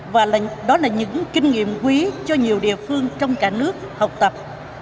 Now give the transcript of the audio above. và đó là những kinh nghiệm quý cho nhiều địa phương trong cả nước học tập